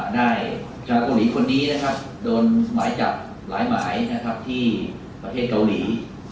ชาวเกาหลีคนนี้นะครับโดนหมายจับหลายหมายที่ประเทศเกาหลี